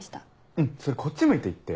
うんそれこっち向いて言って。